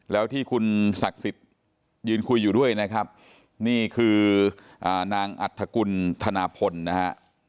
แล้วที่คุณศักดิ์สิทธิ์ยืนคุยอยู่ด้วยนะครับนี่คือนางอัฐกุลธนาพลนะฮะ